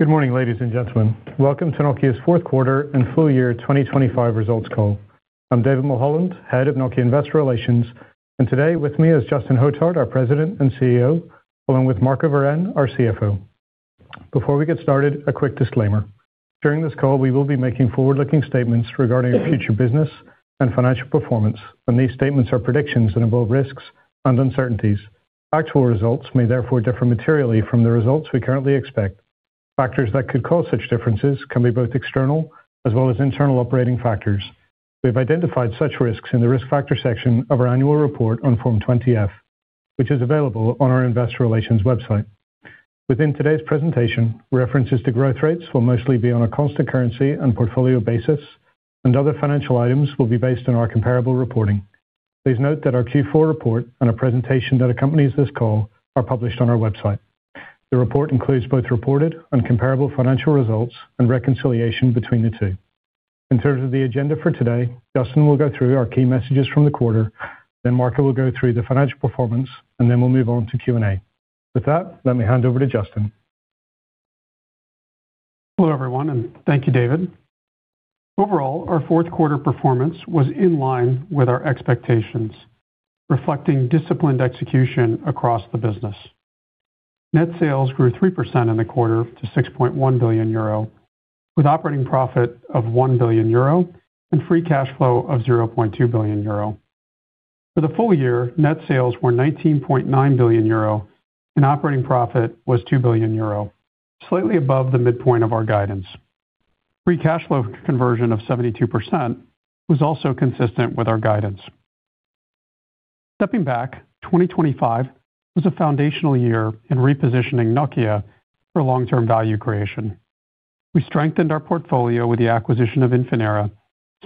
Good morning, ladies and gentlemen. Welcome to Nokia's fourth quarter and full year 2025 results call. I'm David Mulholland, Head of Nokia Investor Relations, and today with me is Justin Hotard, our President and CEO, along with Marco Wirén, our CFO. Before we get started, a quick disclaimer. During this call, we will be making forward-looking statements regarding our future business and financial performance, and these statements are predictions that involve risks and uncertainties. Actual results may therefore differ materially from the results we currently expect. Factors that could cause such differences can be both external as well as internal operating factors. We've identified such risks in the risk factors section of our annual report on Form 20-F, which is available on our investor relations website. Within today's presentation, references to growth rates will mostly be on a constant currency and portfolio basis, and other financial items will be based on our comparable reporting. Please note that our Q4 report and a presentation that accompanies this call are published on our website. The report includes both reported and comparable financial results and reconciliation between the two. In terms of the agenda for today, Justin will go through our key messages from the quarter, then Marco will go through the financial performance, and then we'll move on to Q&A. With that, let me hand over to Justin. Hello, everyone, and thank you, David. Overall, our fourth quarter performance was in line with our expectations, reflecting disciplined execution across the business. Net sales grew 3% in the quarter to 6.1 billion euro, with operating profit of 1 billion euro and free cash flow of 0.2 billion euro. For the full year, net sales were 19.9 billion euro and operating profit was 2 billion euro, slightly above the midpoint of our guidance. Free cash flow conversion of 72% was also consistent with our guidance. Stepping back, 2025 was a foundational year in repositioning Nokia for long-term value creation. We strengthened our portfolio with the acquisition of Infinera,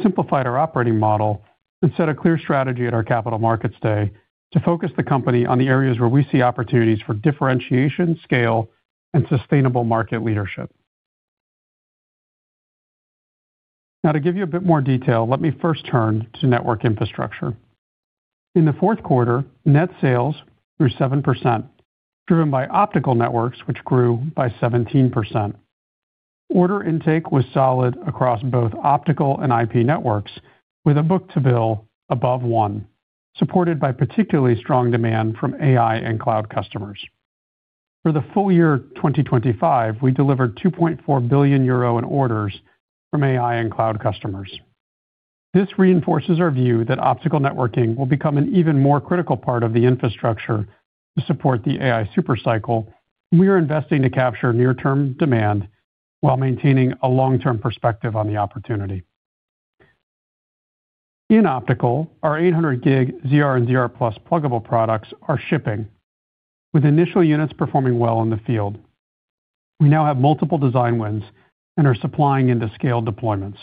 simplified our operating model, and set a clear strategy at our Capital Markets Day to focus the company on the areas where we see opportunities for differentiation, scale, and sustainable market leadership. Now, to give you a bit more detail, let me first turn to Network Infrastructure. In the fourth quarter, net sales grew 7%, driven by Optical Networks, which grew by 17%. Order intake was solid across both Optical and IP Networks, with a book-to-bill above 1, supported by particularly strong demand from AI and cloud customers. For the full year 2025, we delivered 2.4 billion euro in orders from AI and cloud customers. This reinforces our view that optical networking will become an even more critical part of the infrastructure to support the AI super cycle, and we are investing to capture near-term demand while maintaining a long-term perspective on the opportunity. In optical, our 800G ZR and ZR+ pluggable products are shipping, with initial units performing well in the field. We now have multiple design wins and are supplying into scaled deployments.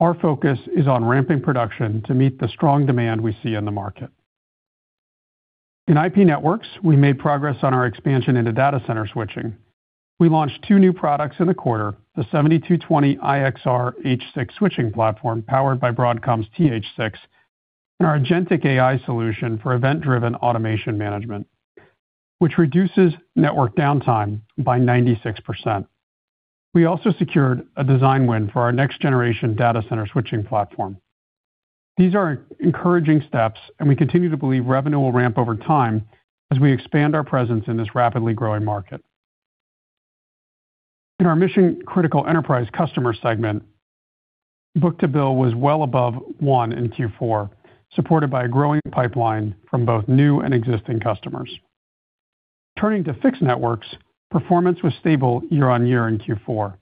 Our focus is on ramping production to meet the strong demand we see in the market. In IP Networks, we made progress on our expansion into data center switching. We launched two new products in the quarter, the 7220 IXR H6 switching platform, powered by Broadcom's TH6, and our agentic AI solution for event-driven automation management, which reduces network downtime by 96%. We also secured a design win for our next-generation data center switching platform. These are encouraging steps, and we continue to believe revenue will ramp over time as we expand our presence in this rapidly growing market. In our mission-critical enterprise customer segment, book-to-bill was well above one in Q4, supported by a growing pipeline from both new and existing customers. Turning to Fixed Networks, performance was stable year-on-year in Q4.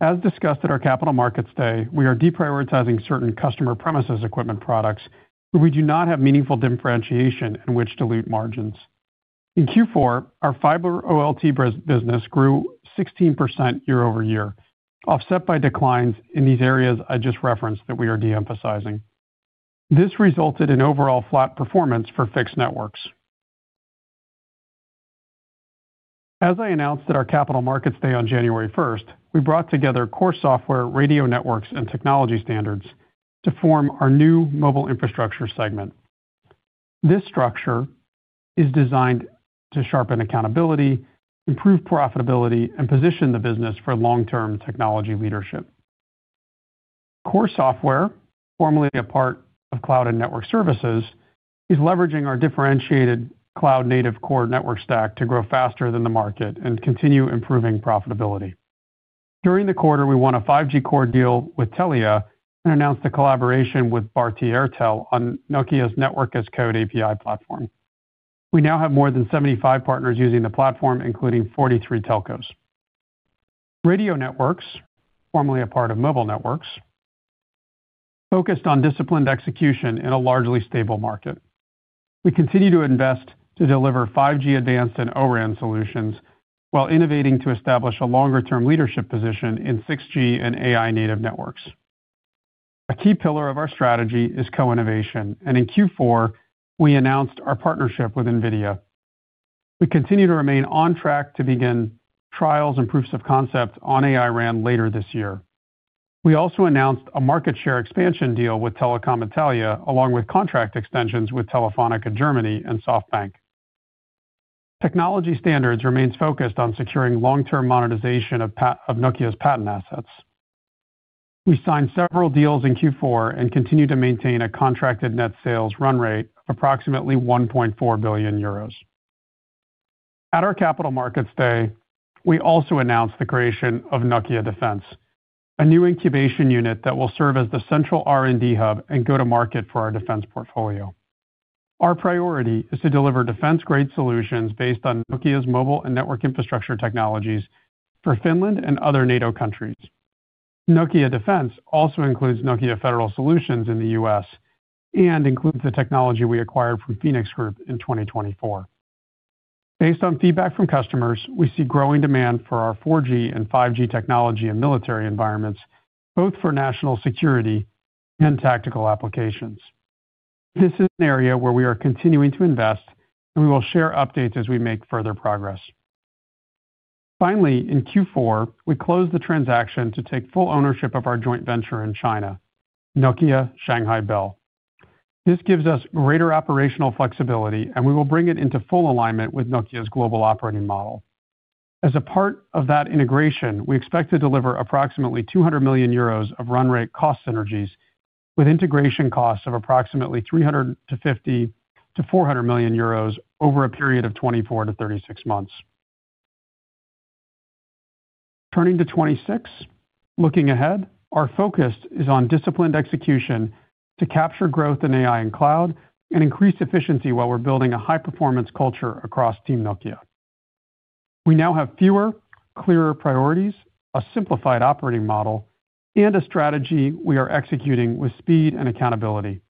As discussed at our Capital Markets Day, we are deprioritizing certain customer premises equipment products, but we do not have meaningful differentiation in which to dilute margins. In Q4, our fiber OLT business grew 16% year-over-year, offset by declines in these areas I just referenced that we are de-emphasizing. This resulted in overall flat performance for Fixed Networks. As I announced at our Capital Markets Day on January first, we brought together Core Software, Radio Networks, and Technology Standards to form our new mobile infrastructure segment. This structure is designed to sharpen accountability, improve profitability, and position the business for long-term technology leadership. Core Software, formerly a part of Cloud and Network Services, is leveraging our differentiated cloud-native core network stack to grow faster than the market and continue improving profitability. During the quarter, we won a 5G Core deal with Telia and announced a collaboration with Bharti Airtel on Nokia's Network as Code API platform. We now have more than 75 partners using the platform, including 43 telcos. Radio Networks, formerly a part of Mobile Networks, focused on disciplined execution in a largely stable market. We continue to invest to deliver 5G Advanced and O-RAN solutions while innovating to establish a longer-term leadership position in 6G and AI-native networks. A key pillar of our strategy is co-innovation, and in Q4, we announced our partnership with NVIDIA. We continue to remain on track to begin trials and proofs of concept on AI RAN later this year. We also announced a market share expansion deal with Telecom Italia, along with contract extensions with Telefonica Germany and SoftBank. Technology Standards remains focused on securing long-term monetization of patent assets of Nokia's patent assets. We signed several deals in Q4 and continue to maintain a contracted net sales run rate of approximately 1.4 billion euros. At our Capital Markets Day, we also announced the creation of Nokia Defense, a new incubation unit that will serve as the central R&D hub and go-to-market for our defense portfolio. Our priority is to deliver defense-grade solutions based on Nokia's mobile and Network Infrastructure technologies for Finland and other NATO countries. Nokia Defense also includes Nokia Federal Solutions in the U.S. and includes the technology we acquired from Fenix Group in 2024. Based on feedback from customers, we see growing demand for our 4G and 5G technology in military environments, both for national security and tactical applications. This is an area where we are continuing to invest, and we will share updates as we make further progress. Finally, in Q4, we closed the transaction to take full ownership of our joint venture in China, Nokia Shanghai Bell. This gives us greater operational flexibility, and we will bring it into full alignment with Nokia's global operating model. As a part of that integration, we expect to deliver approximately 200 million euros of run rate cost synergies, with integration costs of approximately 350 million-400 million euros over a period of 24-36 months. Turning to 2026. Looking ahead, our focus is on disciplined execution to capture growth in AI and cloud and increase efficiency while we're building a high-performance culture across Team Nokia. We now have fewer, clearer priorities, a simplified operating model, and a strategy we are executing with speed and accountability.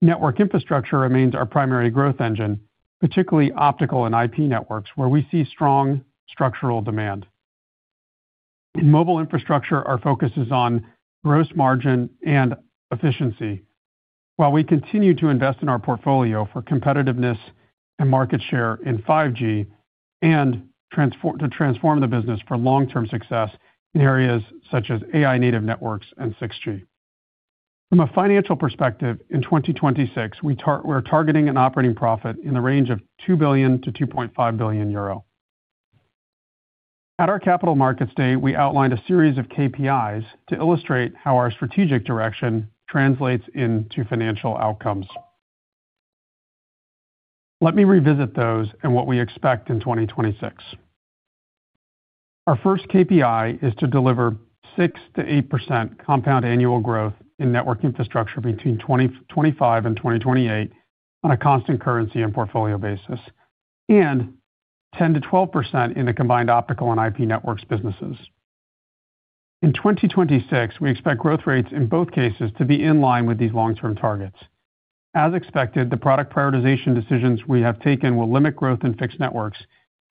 Network Infrastructure remains our primary growth engine, particularly Optical and IP Networks, where we see strong structural demand. In mobile infrastructure, our focus is on gross margin and efficiency, while we continue to invest in our portfolio for competitiveness and market share in 5G and to transform the business for long-term success in areas such as AI-native networks and 6G. From a financial perspective, in 2026, we're targeting an operating profit in the range of 2 billion-2.5 billion euro. At our Capital Markets Day, we outlined a series of KPIs to illustrate how our strategic direction translates into financial outcomes. Let me revisit those and what we expect in 2026. Our first KPI is to deliver 6%-8% compound annual growth in Network Infrastructure between 2025 and 2028 on a constant currency and portfolio basis, and 10%-12% in the combined Optical and IP Networks businesses. In 2026, we expect growth rates in both cases to be in line with these long-term targets. As expected, the product prioritization decisions we have taken will limit growth in Fixed Networks,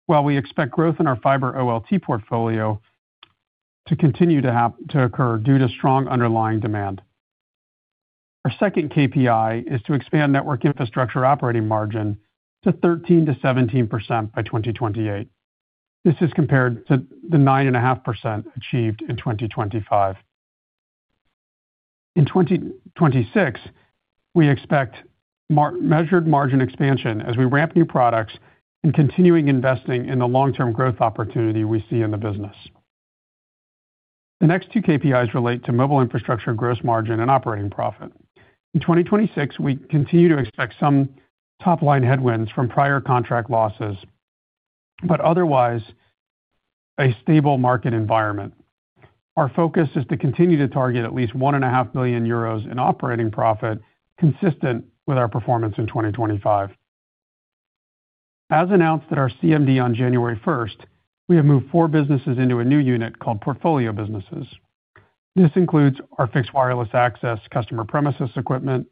while we expect growth in our fiber OLT portfolio to continue to occur due to strong underlying demand. Our second KPI is to expand Network Infrastructure operating margin to 13%-17% by 2028. This is compared to the 9.5% achieved in 2025. In 2026, we expect measured margin expansion as we ramp new products and continuing investing in the long-term growth opportunity we see in the business. The next two KPIs relate to mobile infrastructure, gross margin, and operating profit. In 2026, we continue to expect some top-line headwinds from prior contract losses, but otherwise, a stable market environment. Our focus is to continue to target at least 1.5 billion euros in operating profit, consistent with our performance in 2025. As announced at our CMD on January 1, 2025, we have moved 4 businesses into a new unit called Portfolio Businesses. This includes our fixed wireless access, customer premises equipment,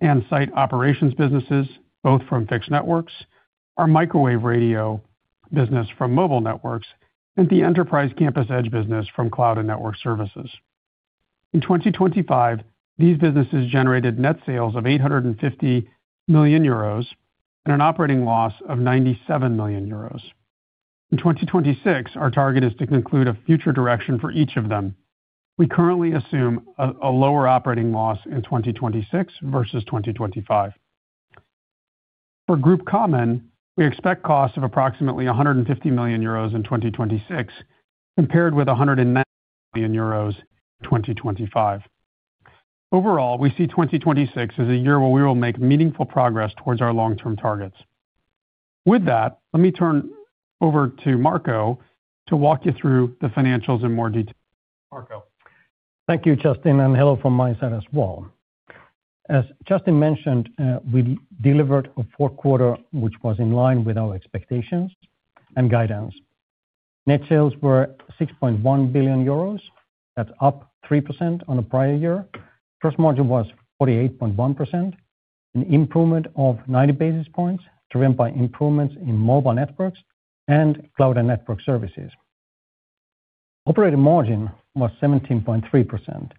and site operations businesses, both from Fixed Networks, our microwave radio business from Mobile Networks, and the enterprise campus edge business from Cloud and Network Services. In 2025, these businesses generated net sales of 850 million euros and an operating loss of 97 million euros. In 2026, our target is to conclude a future direction for each of them. We currently assume a lower operating loss in 2026 versus 2025. For Group Common, we expect costs of approximately 150 million euros in 2026, compared with 190 million euros in 2025. Overall, we see 2026 as a year where we will make meaningful progress towards our long-term targets. With that, let me turn over to Marco to walk you through the financials in more detail. Marco? Thank you, Justin, and hello from my side as well. As Justin mentioned, we delivered a fourth quarter, which was in line with our expectations and guidance. Net sales were 6.1 billion euros. That's up 3% on the prior year. Gross margin was 48.1%, an improvement of 90 basis points, driven by improvements in Mobile Networks and Cloud and Network Services. Operating margin was 17.3%.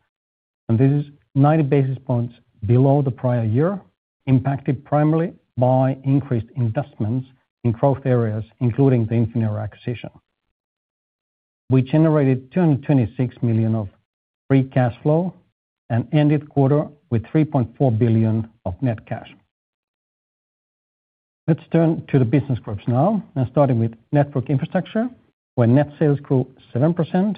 And this is 90 basis points below the prior year, impacted primarily by increased investments in growth areas, including the Infinera acquisition. We generated 226 million of free cash flow and ended the quarter with 3.4 billion of net cash. Let's turn to the business groups now, and starting with Network Infrastructure, where net sales grew 7%.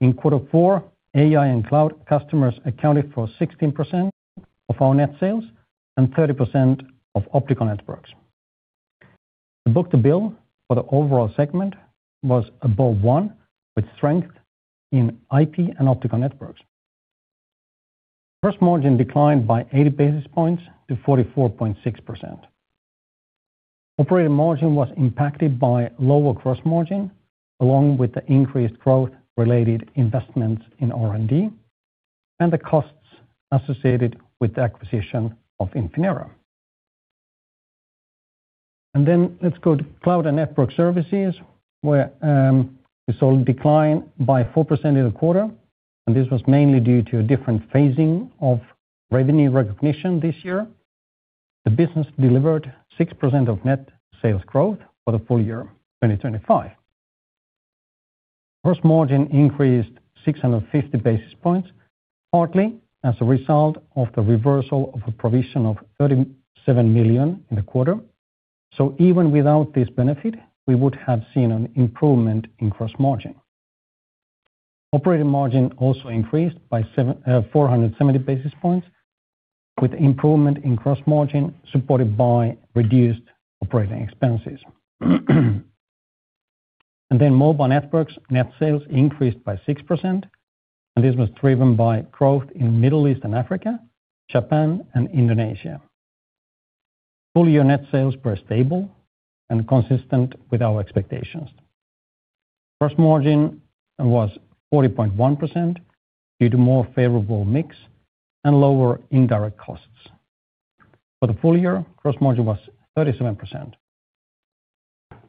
In quarter four, AI and cloud customers accounted for 16% of our net sales and 30% of Optical Networks. The book-to-bill for the overall segment was above 1, with strength in IP Networks and Optical Networks. Gross margin declined by eighty basis points to 44.6%. Operating margin was impacted by lower gross margin, along with the increased growth-related investments in R&D, and the costs associated with the acquisition of Infinera. Then let's go to Cloud and Network Services, where we saw a decline by 4% in the quarter, and this was mainly due to a different phasing of revenue recognition this year. The business delivered 6% of net sales growth for the full year, 2025. Gross margin increased 650 basis points, partly as a result of the reversal of a provision of 37 million in the quarter. So even without this benefit, we would have seen an improvement in gross margin. Operating margin also increased by 740 basis points, with improvement in gross margin, supported by reduced operating expenses. And then Mobile Networks, net sales increased by 6%, and this was driven by growth in Middle East and Africa, Japan and Indonesia. Full year net sales were stable and consistent with our expectations. Gross margin was 40.1% due to more favorable mix and lower indirect costs. For the full year, gross margin was 37%.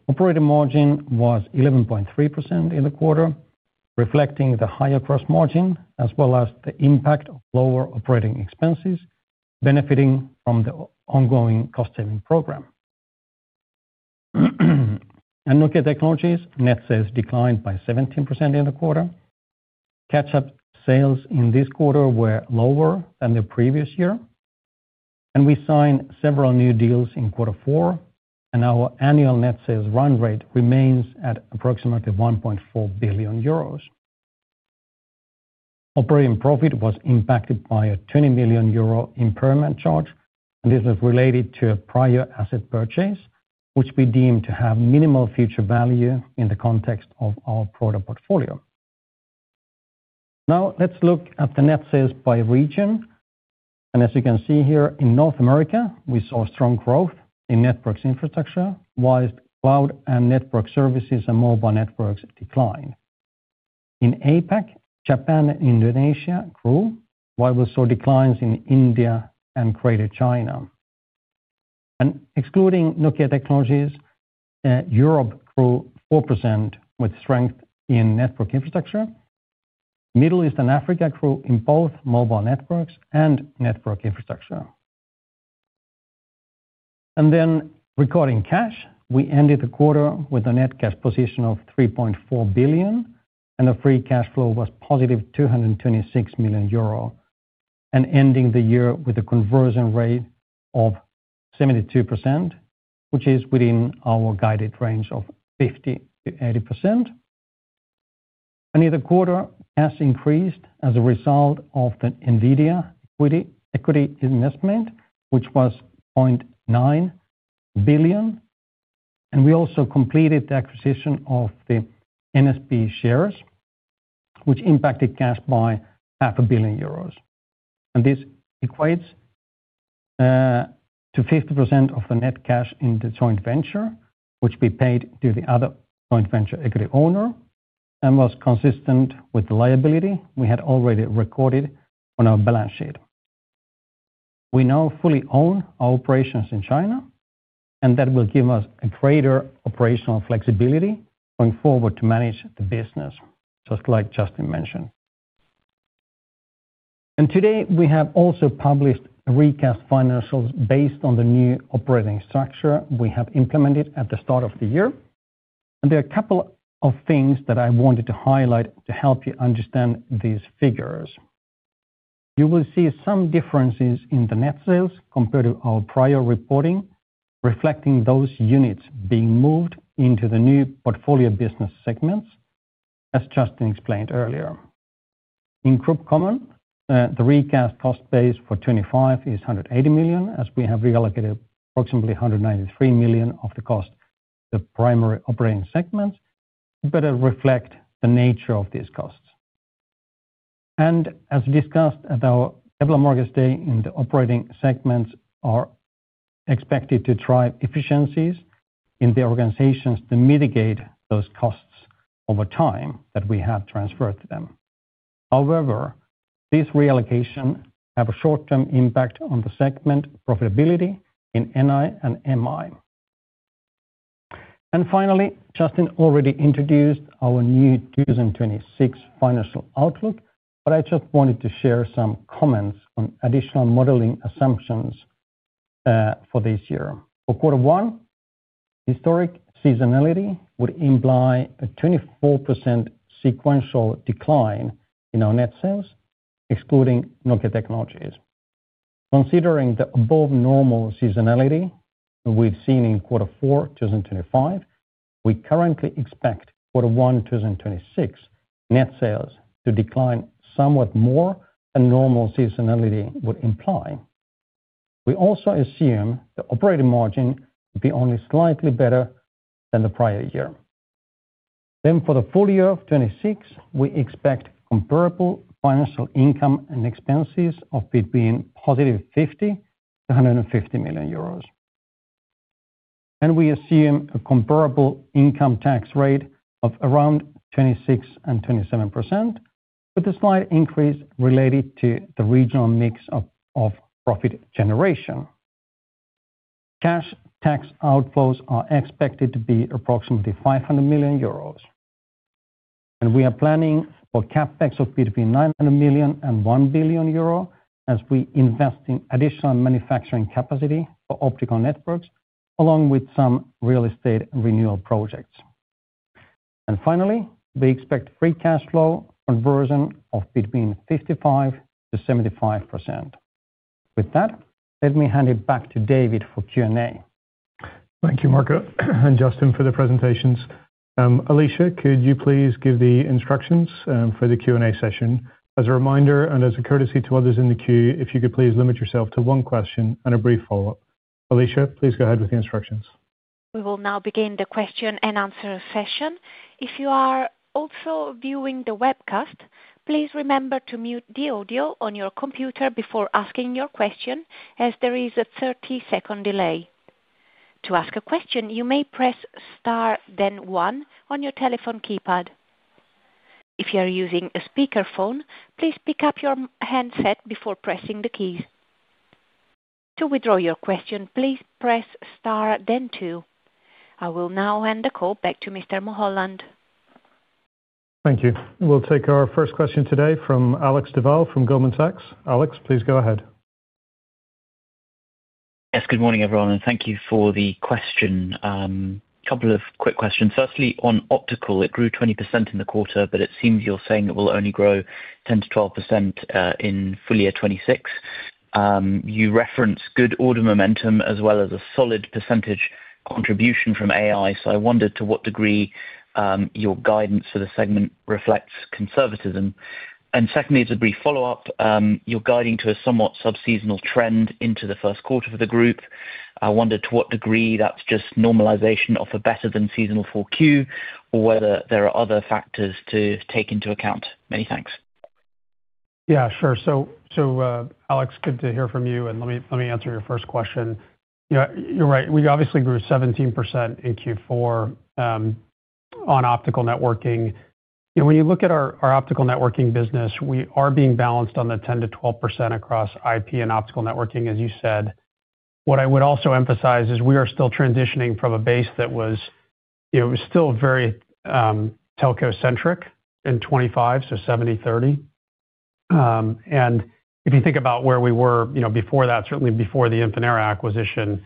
Operating margin was 11.3% in the quarter, reflecting the higher gross margin, as well as the impact of lower operating expenses, benefiting from the ongoing cost saving program. Nokia Technologies, net sales declined by 17% in the quarter. Catch-up sales in this quarter were lower than the previous year, and we signed several new deals in quarter four, and our annual net sales run rate remains at approximately 1.4 billion euros. Operating profit was impacted by a 20 million euro impairment charge, and this is related to a prior asset purchase, which we deem to have minimal future value in the context of our product portfolio. Now, let's look at the net sales by region. As you can see here, in North America, we saw strong growth in Network Infrastructure, while Cloud and Network Services and Mobile Networks declined. In APAC, Japan and Indonesia grew, while we saw declines in India and Greater China. Excluding Nokia Technologies, Europe grew 4% with strength in Network Infrastructure. Middle East and Africa grew in both Mobile Networks and Network Infrastructure. Regarding cash, we ended the quarter with a net cash position of 3.4 billion, and the free cash flow was +226 million euro, and ending the year with a conversion rate of 72%, which is within our guided range of 50%-80%. In the quarter, cash increased as a result of the NVIDIA equity, equity investment, which was 0.9 billion. We also completed the acquisition of the NSB shares, which impacted cash by 0.5 billion euros. This equates to 50% of the net cash in the joint venture, which we paid to the other joint venture equity owner, and was consistent with the liability we had already recorded on our balance sheet. We now fully own our operations in China, and that will give us a greater operational flexibility going forward to manage the business, just like Justin mentioned. Today, we have also published recast financials based on the new operating structure we have implemented at the start of the year. There are a couple of things that I wanted to highlight to help you understand these figures. You will see some differences in the net sales compared to our prior reporting, reflecting those units being moved into the new portfolio business segments, as Justin explained earlier. In Group Common, the recast cost base for 2025 is 180 million, as we have reallocated approximately 193 million of the cost to the primary operating segments to better reflect the nature of these costs. As discussed at our Capital Markets Day, the operating segments are expected to drive efficiencies in the organizations to mitigate those costs over time that we have transferred to them. However, this reallocation have a short-term impact on the segment profitability in NI and MI. And finally, Justin already introduced our new 2026 financial outlook, but I just wanted to share some comments on additional modeling assumptions for this year. For Q1, historic seasonality would imply a 24% sequential decline in our net sales, excluding Nokia Technologies. Considering the above normal seasonality we've seen in quarter four, 2025, we currently expect quarter one, 2026 net sales to decline somewhat more than normal seasonality would imply. We also assume the operating margin to be only slightly better than the prior year. Then for the full year of 2026, we expect comparable financial income and expenses of between +50 million euros to 150 million euros. And we assume a comparable income tax rate of around 26% and 27%, with a slight increase related to the regional mix of profit generation. Cash tax outflows are expected to be approximately 500 million euros, and we are planning for CapEx of between 900 million and 1 billion euro as we invest in additional manufacturing capacity for Optical Networks, along with some real estate renewal projects. And finally, we expect free cash flow conversion of between 55%-75%. With that, let me hand it back to David for Q&A. Thank you, Marco, and Justin, for the presentations. Alicia, could you please give the instructions for the Q&A session? As a reminder, and as a courtesy to others in the queue, if you could please limit yourself to one question and a brief follow-up. Alicia, please go ahead with the instructions. We will now begin the question and answer session. If you are also viewing the webcast, please remember to mute the audio on your computer before asking your question, as there is a 30-second delay. To ask a question, you may press Star, then one on your telephone keypad. If you are using a speakerphone, please pick up your handset before pressing the keys. To withdraw your question, please press Star, then two. I will now hand the call back to Mr. Mulholland. Thank you. We'll take our first question today from Alex Duval from Goldman Sachs. Alex, please go ahead. Yes, good morning, everyone, and thank you for the question. Couple of quick questions. Firstly, on optical, it grew 20% in the quarter, but it seems you're saying it will only grow 10%-12% in full year 2026. You referenced good order momentum as well as a solid percentage contribution from AI. So I wondered to what degree your guidance for the segment reflects conservatism. And secondly, as a brief follow-up, you're guiding to a somewhat subseasonal trend into the first quarter for the group. I wondered to what degree that's just normalization of a better than seasonal Q4, or whether there are other factors to take into account. Many thanks. Yeah, sure. So, Alex, good to hear from you, and let me answer your first question. You know, you're right. We obviously grew 17% in Q4 on optical networking. And when you look at our optical networking business, we are being balanced on the 10%-12% across IP and optical networking, as you said. What I would also emphasize is we are still transitioning from a base that was, you know, still very telco-centric in 2025, so 70/30. And if you think about where we were, you know, before that, certainly before the Infinera acquisition,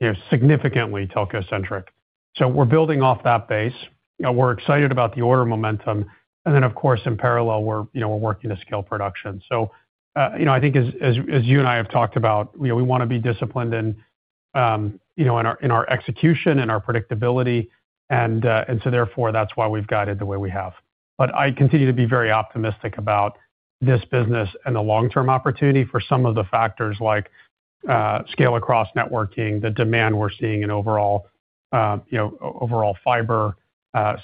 you know, significantly telco-centric. So we're building off that base, and we're excited about the order momentum. And then, of course, in parallel, we're, you know, we're working to scale production. So, you know, I think as you and I have talked about, you know, we wanna be disciplined and, you know, in our, in our execution and our predictability, and, and so therefore, that's why we've guided the way we have. But I continue to be very optimistic about this business and the long-term opportunity for some of the factors like, Scale-Across networking, the demand we're seeing in overall, you know, overall fiber,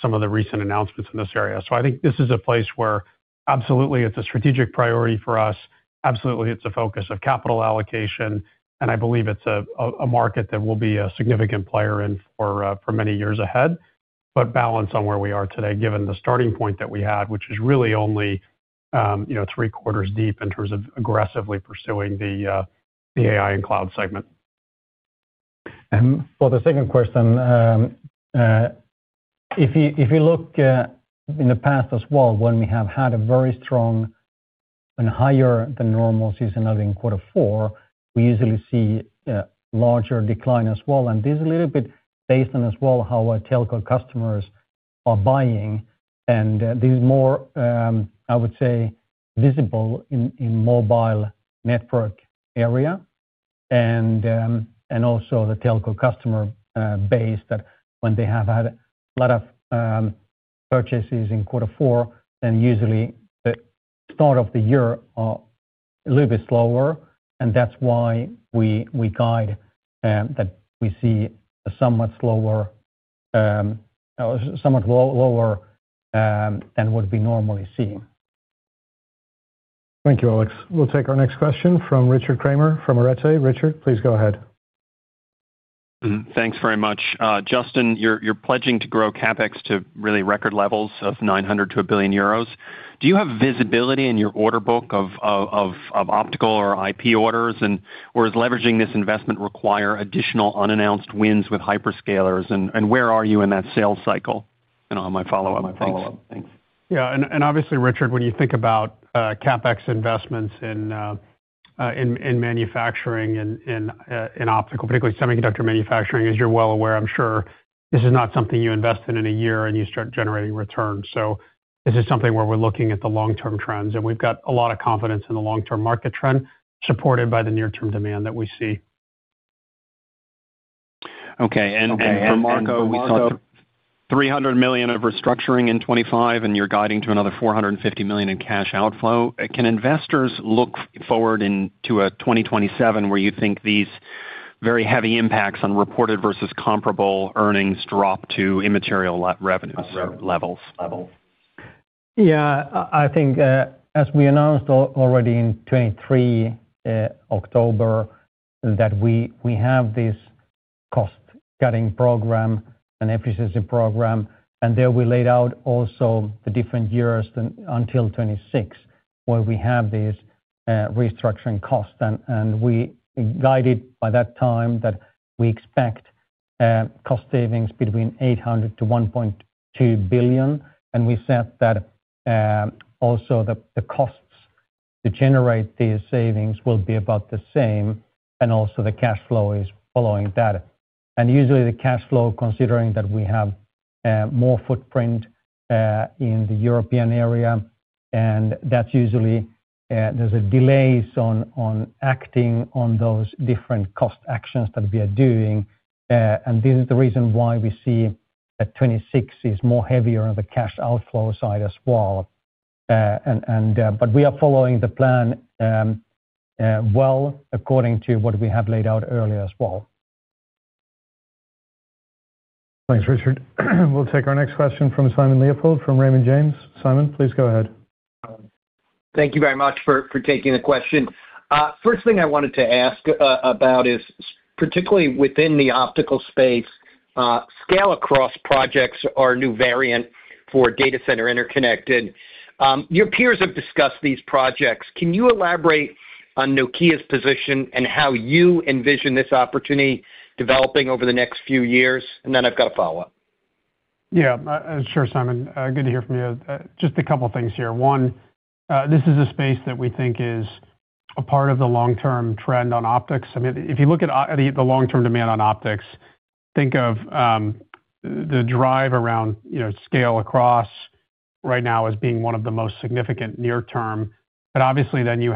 some of the recent announcements in this area. So I think this is a place where absolutely, it's a strategic priority for us. Absolutely, it's a focus of capital allocation, and I believe it's a market that will be a significant player in for, for many years ahead. But balance on where we are today, given the starting point that we had, which is really only, you know, three quarters deep in terms of aggressively pursuing the AI and cloud segment. For the second question, if you look in the past as well, when we have had a very strong and higher than normal seasonality in quarter four, we usually see a larger decline as well. This is a little bit based on as well, how our telco customers are buying. This is more, I would say, visible in mobile network area and also the telco customer base, that when they have had a lot of purchases in quarter four, then usually the start of the year are a little bit slower, and that's why we guide that we see a somewhat slower, somewhat lower than what we normally see. Thank you, Alex. We'll take our next question from Richard Kramer from Arete. Richard, please go ahead. Thanks very much. Justin, you're pledging to grow CapEx to really record levels of 900 million-1 billion euros. Do you have visibility in your order book of optical or IP orders? And or is leveraging this investment require additional unannounced wins with hyperscalers, and where are you in that sales cycle? And on my follow-up. Thanks. Yeah, and obviously, Richard, when you think about CapEx investments in manufacturing and in optical, particularly semiconductor manufacturing, as you're well aware, I'm sure this is not something you invest in in a year and you start generating returns. So this is something where we're looking at the long-term trends, and we've got a lot of confidence in the long-term market trend, supported by the near-term demand that we see. Okay. And, and for Marco, Marco, 300 million of restructuring in 2025, and you're guiding to another 450 million in cash outflow. Can investors look forward into 2027, where you think these very heavy impacts on reported versus comparable earnings drop to immaterial revenues levels? Yeah. I think, as we announced already in 2023 October, that we have this cost-cutting program and efficiency program, and there we laid out also the different years until 2026, where we have this restructuring cost. And we guided by that time that we expect cost savings between 800 million-1.2 billion. And we said that also the costs to generate these savings will be about the same, and also the cash flow is following that. And usually the cash flow, considering that we have more footprint in the European area, and that's usually there's delays on acting on those different cost actions that we are doing. And this is the reason why we see that 2026 is more heavier on the cash outflow side as well. But we are following the plan, well, according to what we have laid out earlier as well. Thanks, Richard. We'll take our next question from Simon Leopold, from Raymond James. Simon, please go ahead. Thank you very much for taking the question. First thing I wanted to ask about is, particularly within the optical space, Scale-Across projects are a new variant for data center interconnect. Your peers have discussed these projects. Can you elaborate on Nokia's position and how you envision this opportunity developing over the next few years? And then I've got a follow-up. Yeah, sure, Simon. Good to hear from you. Just a couple of things here. One, this is a space that we think is a part of the long-term trend on optics. I mean, if you look at the long-term demand on optics, think of the drive around, you know, Scale-Across right now as being one of the most significant near term. But obviously, then you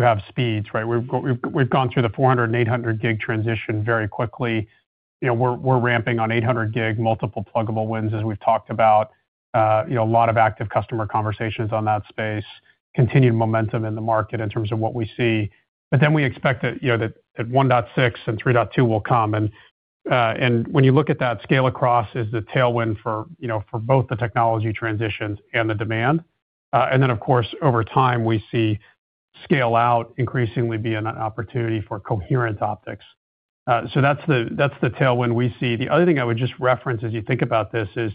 have speeds, right? We've gone through the 400 and 800 gig transition very quickly. You know, we're ramping on 800 gig, multiple pluggable wins, as we've talked about. You know, a lot of active customer conversations on that space, continued momentum in the market in terms of what we see. But then we expect that, you know, that at 1.6 and 3.2 will come. And when you look at that Scale-Across is the tailwind for, you know, for both the technology transitions and the demand. And then, of course, over time, we see scale out increasingly being an opportunity for coherent optics. So that's the, that's the tailwind we see. The other thing I would just reference as you think about this is,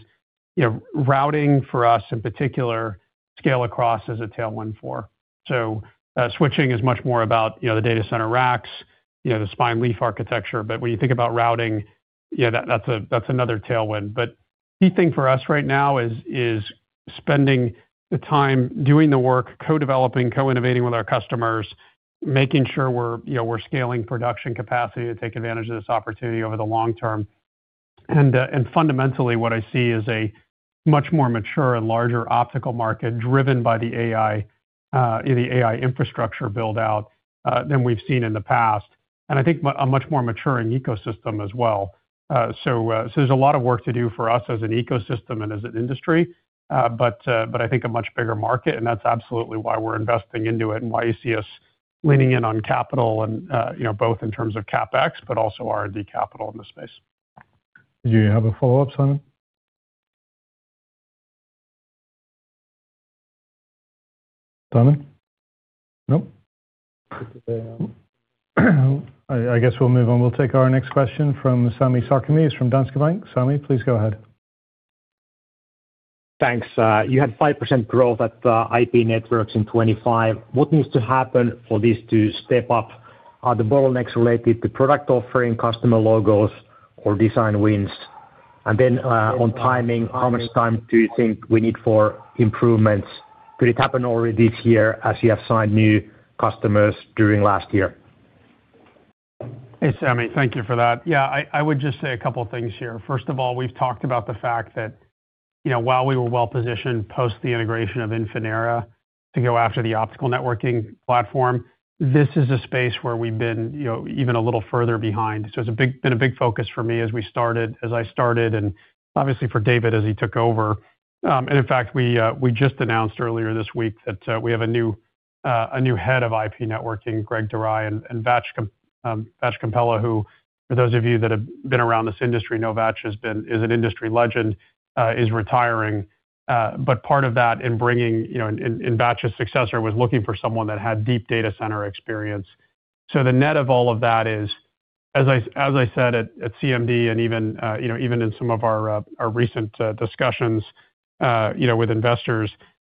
you know, routing for us, in particular, Scale-Across is a tailwind for. So switching is much more about, you know, the data center racks, you know, the spine-leaf architecture. But when you think about routing, yeah, that's another tailwind. But key thing for us right now is spending the time doing the work, co-developing, co-innovating with our customers, making sure we're, you know, we're scaling production capacity to take advantage of this opportunity over the long term. And fundamentally, what I see is a much more mature and larger optical market driven by the AI, the AI infrastructure build-out, than we've seen in the past, and I think a much more maturing ecosystem as well. So there's a lot of work to do for us as an ecosystem and as an industry, but I think a much bigger market, and that's absolutely why we're investing into it and why you see us leaning in on capital and, you know, both in terms of CapEx, but also R&D capital in this space. Do you have a follow-up, Simon? Simon? Nope. I, I guess we'll move on. We'll take our next question from Sami Sarkamies, from Danske Bank. Sami, please go ahead. Thanks. You had 5% growth at the IP Networks in 2025. What needs to happen for this to step up? Are the bottlenecks related to product offering, customer logos, or design wins? And then, on timing, how much time do you think we need for improvements? Could it happen already this year as you have signed new customers during last year? Hey, Sami, thank you for that. Yeah, I would just say a couple of things here. First of all, we've talked about the fact that, you know, while we were well-positioned post the integration of Infinera to go after the optical networking platform, this is a space where we've been, you know, even a little further behind. So it's been a big focus for me as we started, as I started, and obviously for David as he took over. And in fact, we just announced earlier this week that we have a new head of IP networking, Greg Dorai, and Vach Kompella, who, for those of you that have been around this industry, know Vach has been, is an industry legend, is retiring. But part of that in bringing, you know, in Vach's successor, was looking for someone that had deep data center experience. So the net of all of that is, as I said, at CMD and even, you know, even in some of our, our recent discussions, you know, with investors...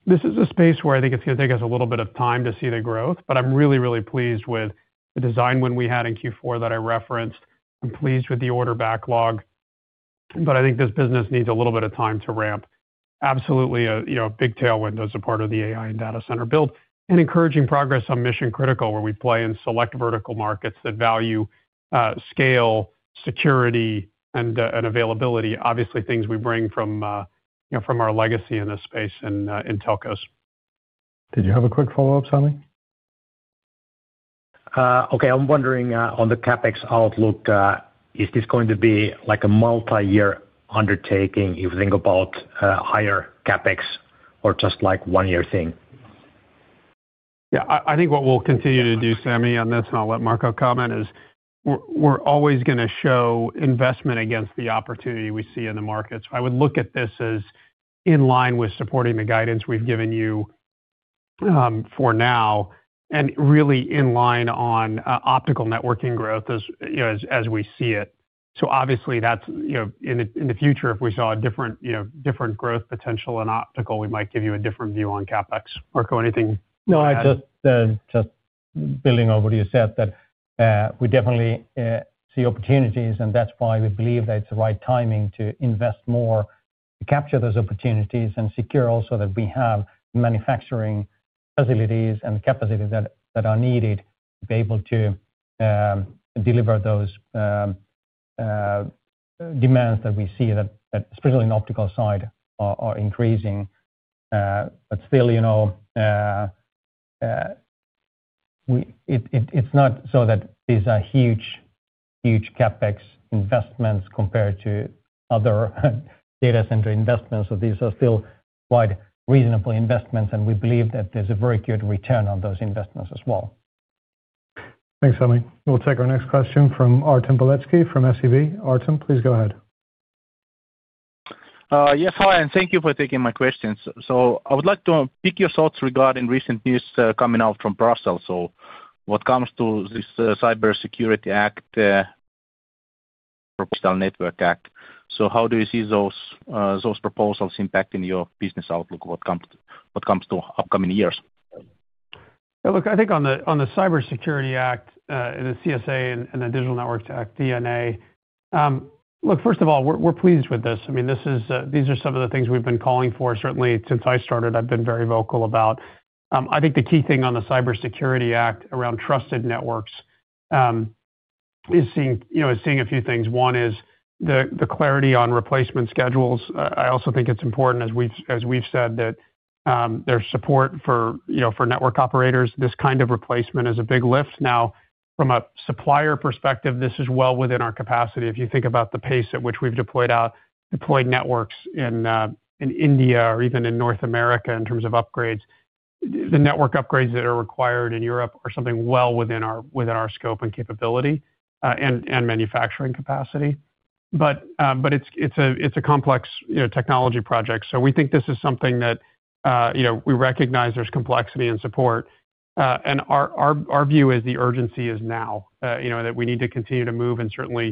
This is a space where I think it's going to take us a little bit of time to see the growth, but I'm really, really pleased with the design win we had in Q4 that I referenced. I'm pleased with the order backlog, but I think this business needs a little bit of time to ramp. Absolutely, you know, big tailwind as a part of the AI and data center build, and encouraging progress on mission-critical, where we play in select vertical markets that value, scale, security, and availability. Obviously, things we bring from, you know, from our legacy in this space and, in telcos. Did you have a quick follow-up, Sami? Okay, I'm wondering, on the CapEx outlook, is this going to be like a multi-year undertaking, if you think about, higher CapEx, or just like one-year thing? Yeah, I think what we'll continue to do, Sammy, on this, and I'll let Marco comment, is we're always going to show investment against the opportunity we see in the markets. I would look at this as in line with supporting the guidance we've given you, for now, and really in line on optical networking growth as, you know, as we see it. So obviously, that's, you know... In the future, if we saw a different, you know, different growth potential in optical, we might give you a different view on CapEx. Marco, anything to add? No, I just, just building on what you said, that we definitely see opportunities, and that's why we believe that it's the right timing to invest more to capture those opportunities and secure also that we have manufacturing facilities and capacities that are needed to be able to deliver those demands that we see, that especially in optical side are increasing. But still, you know, we—it, it's not so that these are huge, huge CapEx investments compared to other data center investments. So these are still quite reasonable investments, and we believe that there's a very good return on those investments as well. Thanks, Sami. We'll take our next question from Artem Beletski from SEB. Artem, please go ahead. Yes, hi, and thank you for taking my questions. So I would like to pick your thoughts regarding recent news coming out from Brussels. So what comes to this Cybersecurity Act or Digital Network Act. So how do you see those proposals impacting your business outlook, what comes to upcoming years? Yeah, look, I think on the Cybersecurity Act and the CSA and the Digital Network Act, DNA. Look, first of all, we're pleased with this. I mean, this is, these are some of the things we've been calling for. Certainly, since I started, I've been very vocal about. I think the key thing on the Cybersecurity Act around trusted networks is seeing, you know, a few things. One is the clarity on replacement schedules. I also think it's important, as we've said, that there's support for, you know, for network operators, this kind of replacement is a big lift. Now, from a supplier perspective, this is well within our capacity. If you think about the pace at which we've deployed networks in India or even in North America, in terms of upgrades, the network upgrades that are required in Europe are something well within our scope and capability, and manufacturing capacity. But it's a complex, you know, technology project. So we think this is something that, you know, we recognize there's complexity and support. And our view is the urgency is now. You know, that we need to continue to move, and certainly,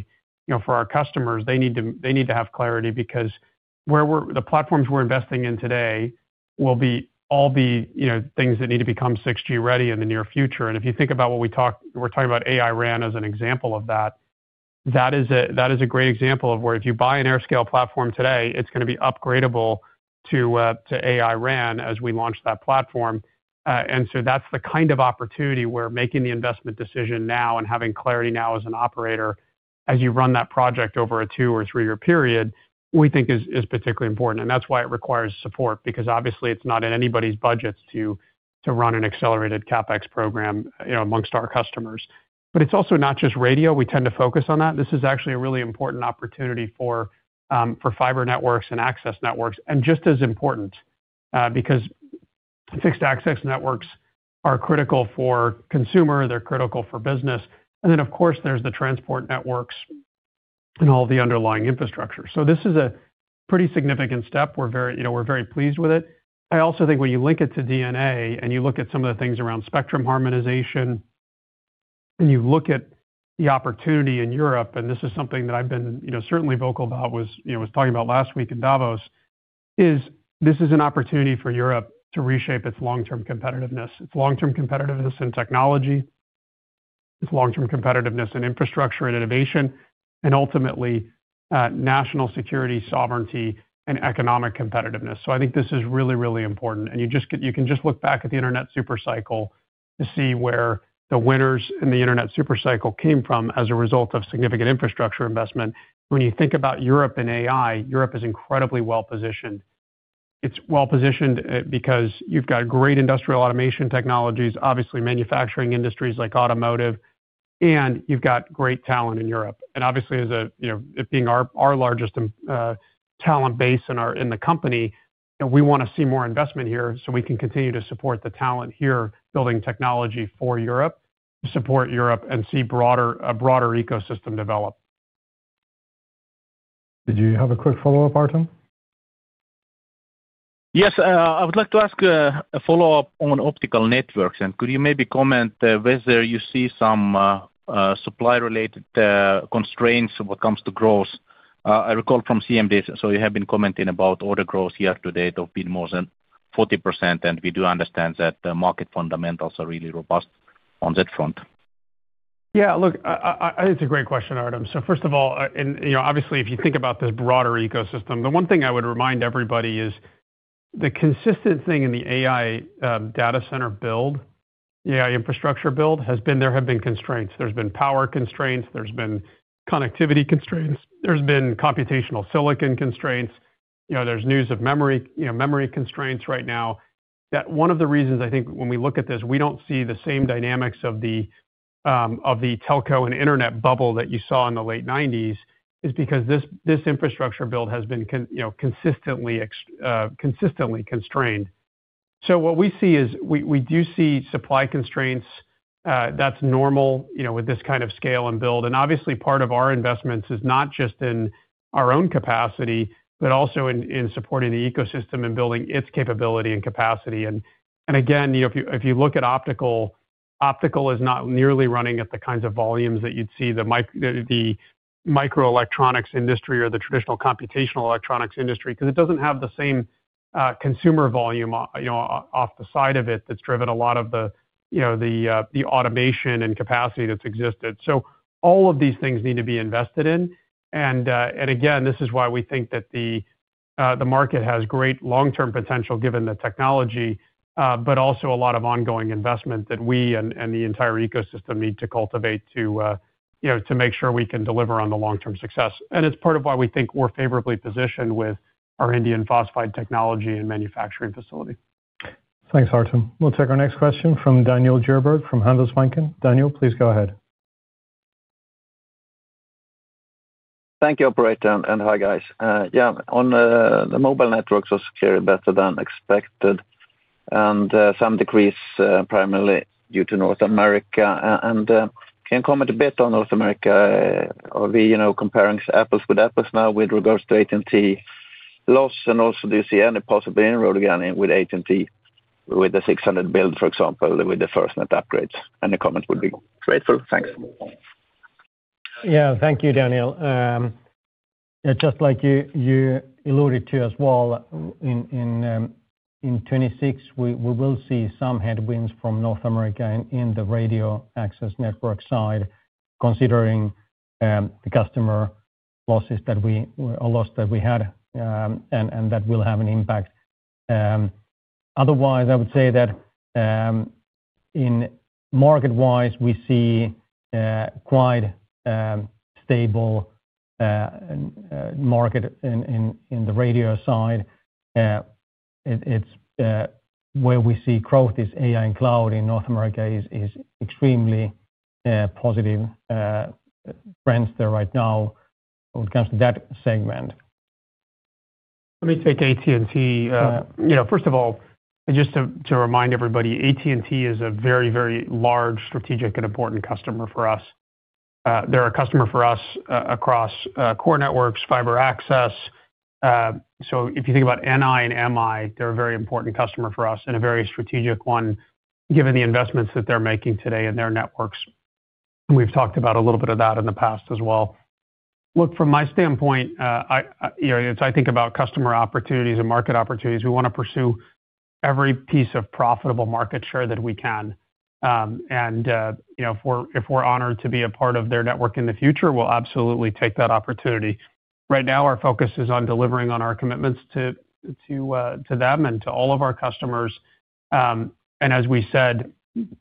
you know, for our customers, they need to have clarity because the platforms we're investing in today will be all the, you know, things that need to become 6G ready in the near future. And if you think about what we're talking about AI RAN as an example of that, that is a great example of where if you buy an AirScale platform today, it's going to be upgradable to AI RAN as we launch that platform. And so that's the kind of opportunity where making the investment decision now and having clarity now as an operator, as you run that project over a two or three-year period, we think is particularly important. And that's why it requires support, because obviously, it's not in anybody's budgets to run an accelerated CapEx program, you know, among our customers. But it's also not just radio. We tend to focus on that. This is actually a really important opportunity for fiber networks and access networks, and just as important, because fixed access networks are critical for consumer, they're critical for business. And then, of course, there's the transport networks and all the underlying infrastructure. So this is a pretty significant step. We're very, you know, we're very pleased with it. I also think when you link it to DNA and you look at some of the things around spectrum harmonization, and you look at the opportunity in Europe, and this is something that I've been, you know, certainly vocal about, was, you know, was talking about last week in Davos, is this is an opportunity for Europe to reshape its long-term competitiveness. Its long-term competitiveness in technology, its long-term competitiveness in infrastructure and innovation, and ultimately, national security, sovereignty, and economic competitiveness. So I think this is really, really important. And you can just look back at the internet super cycle to see where the winners in the internet super cycle came from as a result of significant infrastructure investment. When you think about Europe and AI, Europe is incredibly well-positioned. It's well-positioned because you've got great industrial automation technologies, obviously manufacturing industries like automotive, and you've got great talent in Europe. And obviously, as a, you know, it being our largest talent base in the company, and we want to see more investment here, so we can continue to support the talent here, building technology for Europe, to support Europe and see a broader ecosystem develop. Did you have a quick follow-up, Artem? Yes, I would like to ask a follow-up on Optical Networks, and could you maybe comment whether you see some supply-related constraints when it comes to growth? I recall from CM days, so you have been commenting about order growth year to date of being more than 40%, and we do understand that the market fundamentals are really robust on that front. Yeah, look, it's a great question, Artem. So first of all, you know, obviously, if you think about the broader ecosystem, the one thing I would remind everybody is the consistent thing in the AI data center build, the AI infrastructure build, has been there have been constraints. There's been power constraints, there's been connectivity constraints, there's been computational silicon constraints. You know, there's news of memory, you know, memory constraints right now. That one of the reasons I think when we look at this, we don't see the same dynamics of the telco and internet bubble that you saw in the late nineties, is because this infrastructure build has been, you know, consistently constrained. So what we see is we do see supply constraints, that's normal, you know, with this kind of scale and build. And obviously, part of our investments is not just in our own capacity, but also in supporting the ecosystem and building its capability and capacity. And again, you know, if you look at optical, optical is not nearly running at the kinds of volumes that you'd see in the microelectronics industry or the traditional computational electronics industry, 'cause it doesn't have the same consumer volume off the side of it that's driven a lot of the, you know, the automation and capacity that's existed. So all of these things need to be invested in. And again, this is why we think that the market has great long-term potential, given the technology, but also a lot of ongoing investment that we and the entire ecosystem need to cultivate to, you know, to make sure we can deliver on the long-term success. It's part of why we think we're favorably positioned with our indium phosphide technology and manufacturing facility. Thanks, Artem. We'll take our next question from Daniel Djurberg, from Handelsbanken. Daniel, please go ahead. Thank you, operator, and hi, guys. Yeah, on the Mobile Networks was clearly better than expected, and some decrease primarily due to North America. And can you comment a bit on North America? Are we, you know, comparing apples with apples now with regards to AT&T loss, and also do you see any possibility inroads again with AT&T, with the 600 build, for example, with the FirstNet upgrades? Any comments would be grateful. Thanks. Yeah. Thank you, Daniel. Yeah, just like you, you alluded to as well, in twenty-six, we will see some headwinds from North America in the radio access network side, considering the customer losses that we or loss that we had, and that will have an impact. Otherwise, I would say that, in market-wise, we see quite stable market in the radio side. It, it's where we see growth is AI and cloud in North America is extremely positive trends there right now when it comes to that segment. Let me take AT&T. You know, first of all, just to remind everybody, AT&T is a very, very large strategic and important customer for us. They're a customer for us across core networks, fiber access. So if you think about NI and MI, they're a very important customer for us and a very strategic one, given the investments that they're making today in their networks. We've talked about a little bit of that in the past as well. Look, from my standpoint, you know, as I think about customer opportunities and market opportunities, we wanna pursue every piece of profitable market share that we can. And you know, if we're honored to be a part of their network in the future, we'll absolutely take that opportunity. Right now, our focus is on delivering on our commitments to them and to all of our customers. As we said, you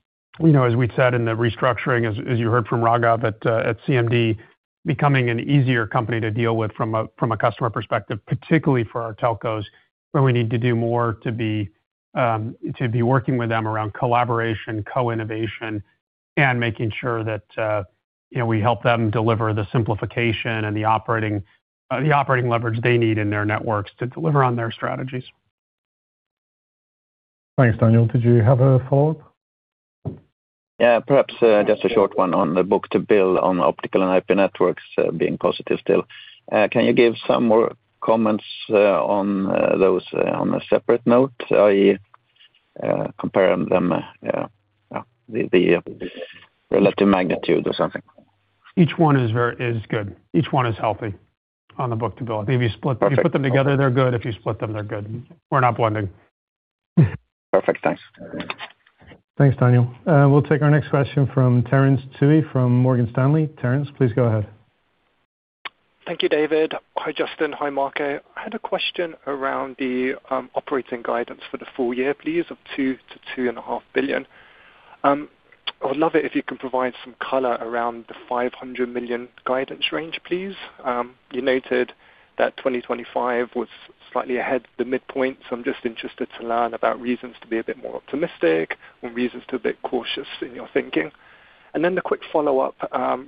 know, as we said in the restructuring, as you heard from Raghav at CMD, becoming an easier company to deal with from a customer perspective, particularly for our telcos, where we need to do more to be working with them around collaboration, co-innovation, and making sure that, you know, we help them deliver the simplification and the operating leverage they need in their networks to deliver on their strategies. Thanks, Daniel. Did you have a thought? Yeah. Perhaps just a short one on the book-to-bill on Optical and IP Networks being positive still. Can you give some more comments on those on a separate note, i.e., comparing them, the relative magnitude or something? Each one is very good. Each one is healthy on the book-to-bill. If you split- Perfect. If you put them together, they're good. If you split them, they're good. We're not blending. Perfect. Thanks. Thanks, Daniel. We'll take our next question from Terence Tsui, from Morgan Stanley. Terence, please go ahead. Thank you, David. Hi, Justin. Hi, Marco. I had a question around the operating guidance for the full year, please, of 2 billion-2.5 billion. I would love it if you can provide some color around the 500 million guidance range, please. You noted that 2025 was slightly ahead of the midpoint, so I'm just interested to learn about reasons to be a bit more optimistic and reasons to a bit cautious in your thinking. And then the quick follow-up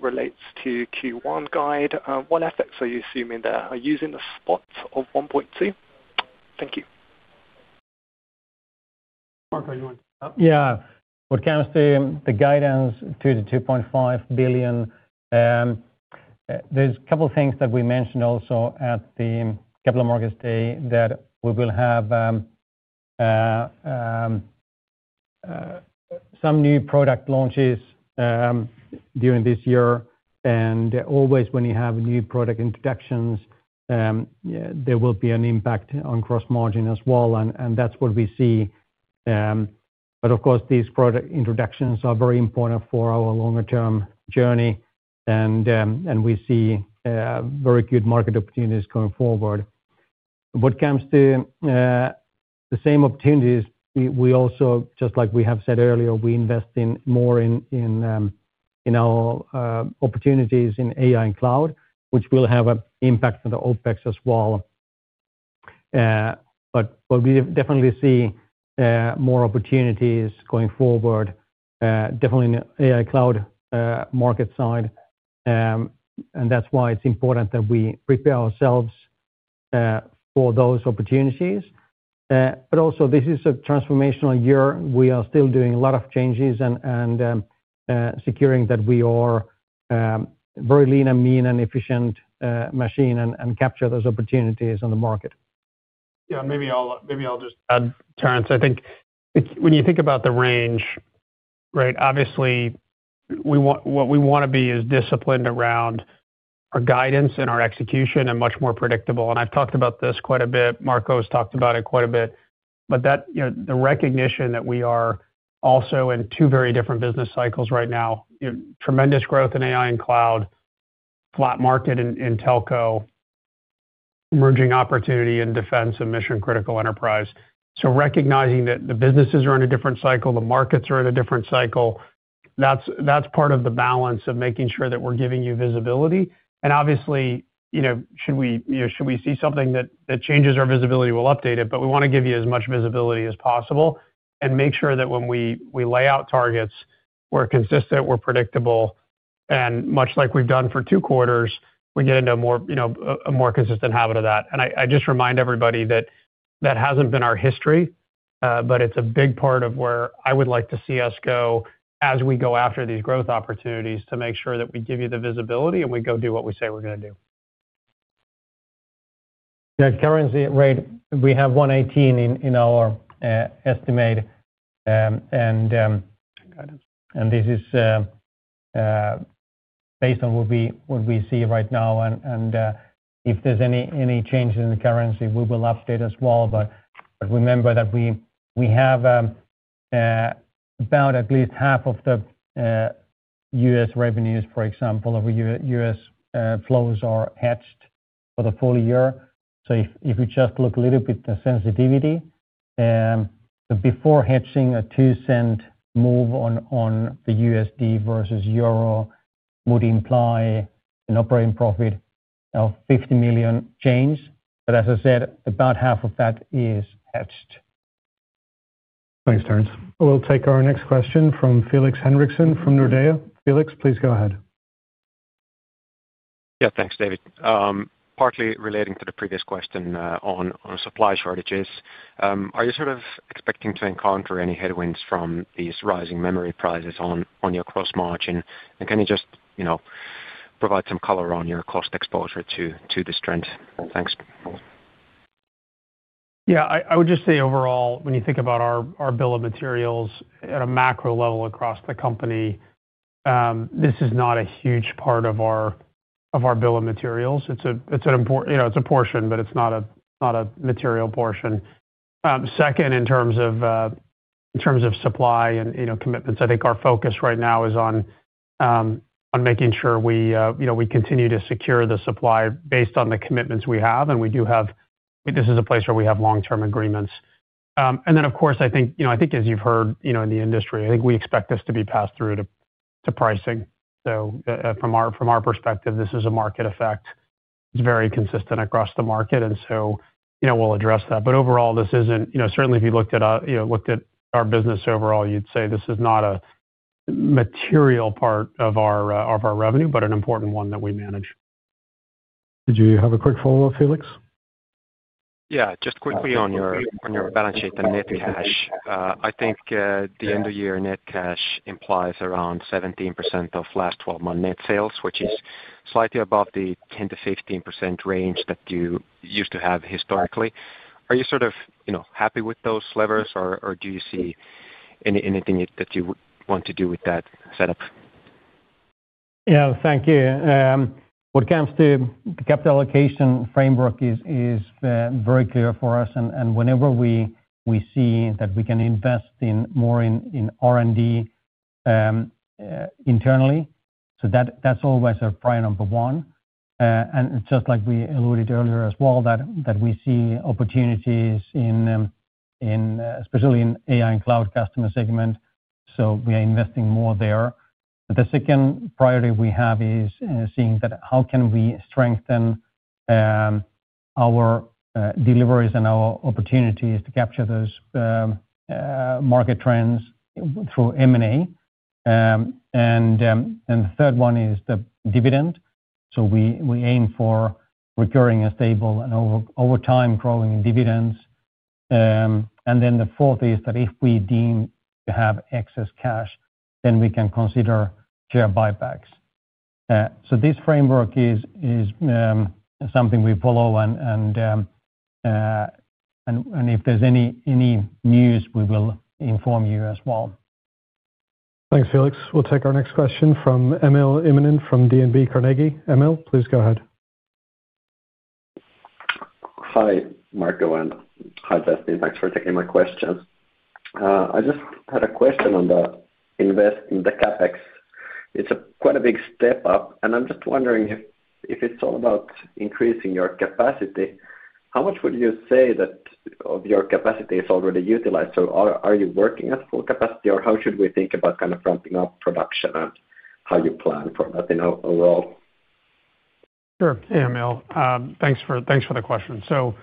relates to Q1 guide. What effects are you assuming there? Are you using the spot of 1.2? Thank you. Marco, you want to- Yeah. When it comes to the guidance, 2 billion-2.5 billion, there's a couple of things that we mentioned also at the Capital Markets Day, that we will have, some new product launches, during this year. And always when you have new product introductions, yeah, there will be an impact on gross margin as well, and, and that's what we see. But of course, these product introductions are very important for our longer-term journey. And, and we see, very good market opportunities going forward. What comes to, the same opportunities, we, we also, just like we have said earlier, we invest in more in, in, in our, opportunities in AI and cloud, which will have an impact on the OpEx as well. But we definitely see more opportunities going forward, definitely in the AI cloud market side. And that's why it's important that we prepare ourselves for those opportunities. But also, this is a transformational year. We are still doing a lot of changes and securing that we are very lean and mean and efficient machine, and capture those opportunities on the market. Yeah, maybe I'll just add, Terence. I think it's, when you think about the range, right? Obviously, we want, what we wanna be is disciplined around our guidance and our execution and much more predictable. And I've talked about this quite a bit. Marco has talked about it quite a bit. But that, you know, the recognition that we are also in two very different business cycles right now, you know, tremendous growth in AI and cloud, flat market in telco, emerging opportunity in defense and mission-critical enterprise. So recognizing that the businesses are in a different cycle, the markets are in a different cycle, that's part of the balance of making sure that we're giving you visibility. And obviously, you know, should we see something that changes our visibility, we'll update it. But we wanna give you as much visibility as possible and make sure that when we lay out targets, we're consistent, we're predictable, and much like we've done for two quarters, we get into a more, you know, consistent habit of that. And I just remind everybody that that hasn't been our history, but it's a big part of where I would like to see us go as we go after these growth opportunities, to make sure that we give you the visibility, and we go do what we say we're gonna do. Yeah, currency rate, we have 1.18 in our estimate. Guidance. And this is based on what we see right now. If there's any changes in the currency, we will update as well. But remember that we have about at least half of the U.S. revenues, for example, of U.S. flows are hedged for the full year. So if you just look a little bit the sensitivity, before hedging a 2-cent move on the USD versus euro, would imply an operating profit of 50 million change. But as I said, about half of that is hedged. Thanks, Terence. We'll take our next question from Felix Henriksson from Nordea. Felix, please go ahead. Yeah, thanks, David. Partly relating to the previous question on supply shortages. Are you sort of expecting to encounter any headwinds from these rising memory prices on your gross margin? And can you just, you know, provide some color on your cost exposure to this trend? Thanks. Yeah, I would just say overall, when you think about our bill of materials at a macro level across the company, this is not a huge part of our bill of materials. It's an important, you know, it's a portion, but it's not a material portion. Second, in terms of supply and, you know, commitments, I think our focus right now is on making sure we, you know, we continue to secure the supply based on the commitments we have, and we do have... This is a place where we have long-term agreements. And then, of course, I think, you know, I think as you've heard, you know, in the industry, I think we expect this to be passed through to pricing. So, from our perspective, this is a market effect. It's very consistent across the market, and so, you know, we'll address that. But overall, this isn't, you know, certainly, if you looked at, you know, looked at our business overall, you'd say this is not a material part of our, of our revenue, but an important one that we manage. Did you have a quick follow-up, Felix? Yeah, just quickly on your balance sheet, the net cash. I think the end of year net cash implies around 17% of last twelve-month net sales, which is slightly above the 10%-15% range that you used to have historically. Are you sort of, you know, happy with those levers, or do you see anything that you would want to do with that setup? Yeah, thank you. When it comes to the capital allocation framework is, is very clear for us. And, and whenever we, we see that we can invest in more in, in R&D, internally, so that's always our priority number one. And just like we alluded earlier as well, that, that we see opportunities in, in, especially in AI and cloud customer segment, so we are investing more there. The second priority we have is, seeing that how can we strengthen, our, deliveries and our opportunities to capture those, market trends through M&A? And, and the third one is the dividend. So we, we aim for recurring and stable and over, over time, growing dividends. And then the fourth is that if we deem to have excess cash, then we can consider share buybacks. So this framework is something we follow, and if there's any news, we will inform you as well. Thanks, Felix. We'll take our next question from Emil Immonen from DNB Carnegie. Emil, please go ahead. Hi, Marco, and hi, Justin. Thanks for taking my questions. I just had a question on the investment in the CapEx. It's quite a big step up, and I'm just wondering if, if it's all about increasing your capacity, how much would you say that of your capacity is already utilized? So are, are you working at full capacity, or how should we think about kind of ramping up production and how you plan for that in overall? Sure. Hey, Emil, thanks for, thanks for the question. So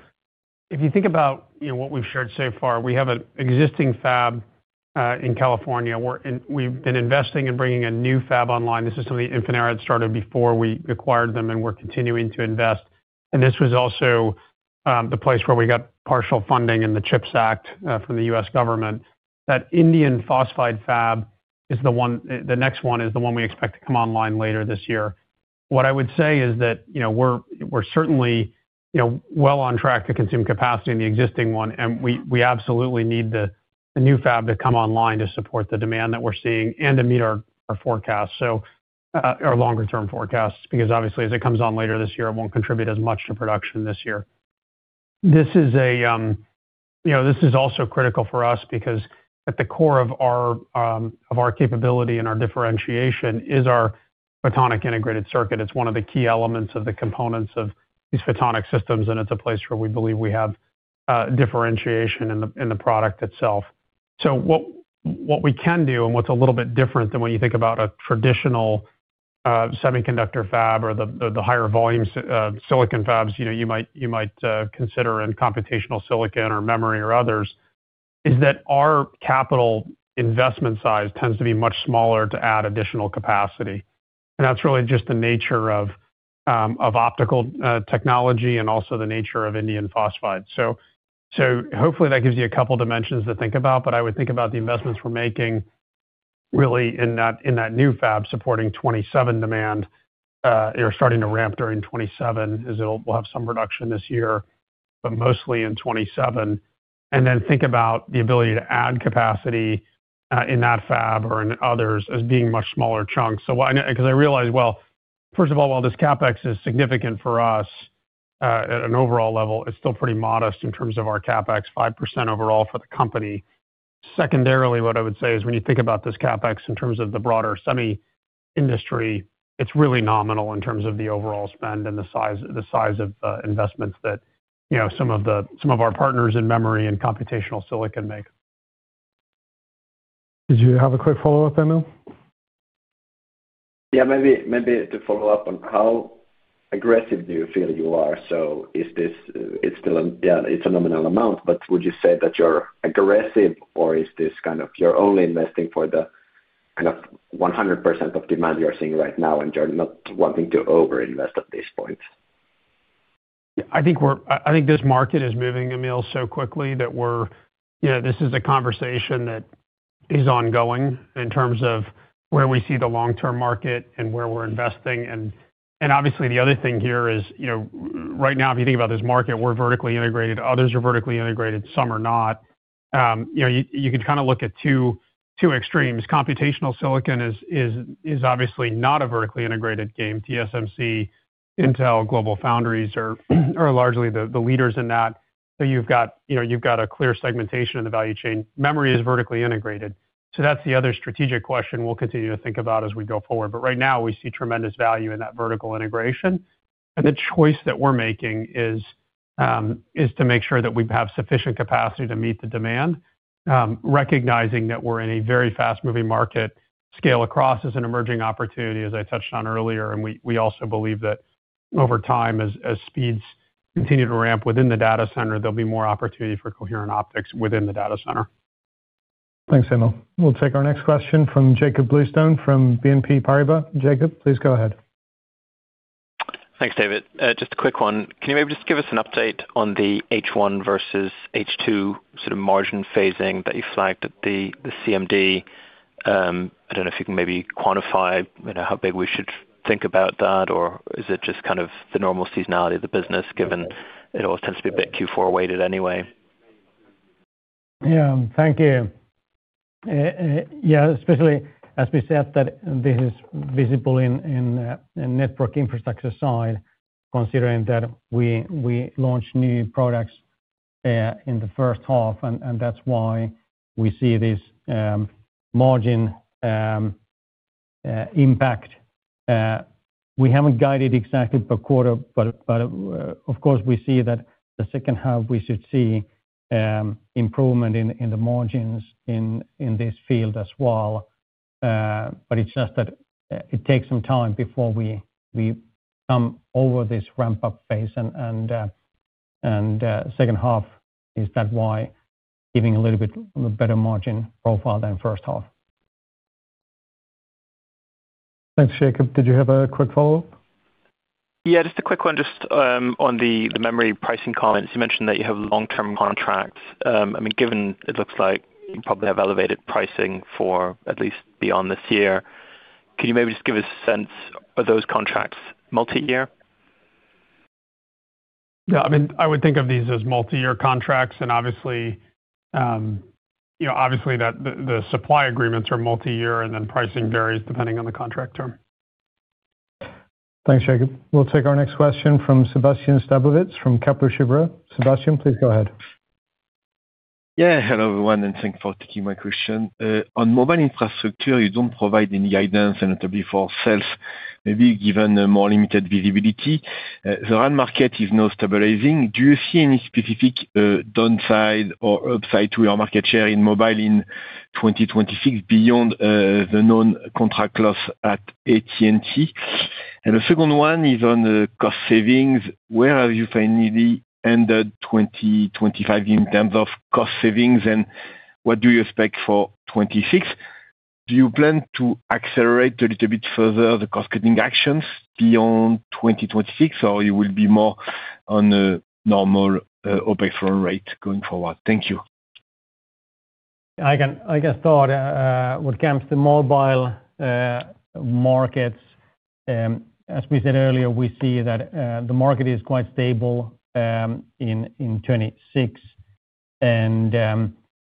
if you think about, you know, what we've shared so far, we have an existing fab in California, where we've been investing in bringing a new fab online. This is something Infinera had started before we acquired them, and we're continuing to invest. And this was also the place where we got partial funding in the CHIPS Act from the U.S. government. That indium phosphide fab is the one, the next one, is the one we expect to come online later this year. What I would say is that, you know, we're, we're certainly, you know, well on track to consume capacity in the existing one, and we, we absolutely need the, the new fab to come online to support the demand that we're seeing and to meet our, our forecast. So, our longer term forecasts, because obviously, as it comes on later this year, it won't contribute as much to production this year. This is a, you know, this is also critical for us because at the core of our, of our capability and our differentiation is our photonic integrated circuit. It's one of the key elements of the components of these photonic systems, and it's a place where we believe we have, differentiation in the, in the product itself. So what we can do, and what's a little bit different than when you think about a traditional, semiconductor fab or the, the, the higher volume si-- silicon fabs, you know, you might consider in computational silicon or memory or others, is that our capital investment size tends to be much smaller to add additional capacity. And that's really just the nature of optical technology and also the nature of indium phosphide. So hopefully that gives you a couple dimensions to think about, but I would think about the investments we're making really in that new fab supporting 2027 demand, or starting to ramp during 2027, as it'll—we'll have some production this year, but mostly in 2027. And then think about the ability to add capacity in that fab or in others as being much smaller chunks. So what I know... 'Cause I realize, well, first of all, while this CapEx is significant for us, at an overall level, it's still pretty modest in terms of our CapEx, 5% overall for the company. Secondarily, what I would say is, when you think about this CapEx in terms of the broader semi industry, it's really nominal in terms of the overall spend and the size, the size of investments that, you know, some of the some of our partners in memory and computational silicon make. Did you have a quick follow-up, Emil? Yeah, maybe, maybe to follow up on how aggressive do you feel you are? So is this, it's still a nominal amount, yeah, but would you say that you're aggressive, or is this kind of you're only investing for the kind of 100% of demand you're seeing right now, and you're not wanting to over-invest at this point? Yeah, I think this market is moving, Emil, so quickly that we're. You know, this is a conversation that is ongoing in terms of where we see the long-term market and where we're investing. And obviously, the other thing here is, you know, right now, if you think about this market, we're vertically integrated, others are vertically integrated, some are not. You know, you can kind of look at two extremes. Computational silicon is obviously not a vertically integrated game. TSMC, Intel, GlobalFoundries are largely the leaders in that. So you've got, you know, you've got a clear segmentation in the value chain. Memory is vertically integrated. So that's the other strategic question we'll continue to think about as we go forward. But right now, we see tremendous value in that vertical integration. The choice that we're making is to make sure that we have sufficient capacity to meet the demand, recognizing that we're in a very fast-moving market. Scale-Across is an emerging opportunity, as I touched on earlier, and we also believe that over time, as speeds continue to ramp within the data center, there'll be more opportunity for coherent optics within the data center. Thanks, Emil. We'll take our next question from Jakob Bluestone from BNP Paribas. Jakob, please go ahead. Thanks, David. Just a quick one. Can you maybe just give us an update on the H1 versus H2 sort of margin phasing that you flagged at the, the CMD? I don't know if you can maybe quantify, you know, how big we should think about that, or is it just kind of the normal seasonality of the business, given it all tends to be a bit Q4-weighted anyway? Yeah. Thank you. Yeah, especially as we said, that this is visible in the Network Infrastructure side, considering that we launched new products in the first half, and that's why we see this margin impact. We haven't guided exactly per quarter, but of course, we see that the second half we should see improvement in the margins in this field as well. But it's just that it takes some time before we come over this ramp-up phase. And second half is that why giving a little bit better margin profile than first half. Thanks, Jakob. Did you have a quick follow-up? Yeah, just a quick one, just on the memory pricing comments. You mentioned that you have long-term contracts. I mean, given it looks like you probably have elevated pricing for at least beyond this year, can you maybe just give us a sense? Are those contracts multi-year? Yeah, I mean, I would think of these as multi-year contracts, and obviously, you know, obviously, that the supply agreements are multi-year, and then pricing varies depending on the contract term. Thanks, Jakob. We'll take our next question from Sébastien Sztabowicz from Kepler Cheuvreux. Sébastien, please go ahead. Yeah, hello, everyone, and thank you for taking my question. On mobile infrastructure, you don't provide any guidance and until before sales, maybe given a more limited visibility. The RAN market is now stabilizing. Do you see any specific, downside or upside to your market share in mobile in 2026 beyond, the known contract loss at AT&T? And the second one is on the cost savings. Where have you finally ended 2025 in terms of cost savings, and what do you expect for 2026? Do you plan to accelerate a little bit further the cost-cutting actions beyond 2026, or you will be more on the normal, OpEx run rate going forward? Thank you. I can, I can start, when it comes to mobile markets, as we said earlier, we see that, the market is quite stable, in 2026. And,